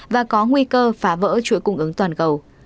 và có nguy cơ phá vỡ chuỗi cung ứng toàn cầu